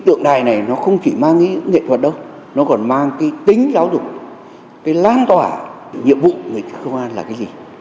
tượng đài này không chỉ mang nghệ thuật đâu nó còn mang tính giáo dục lan tỏa nhiệm vụ của công an là gì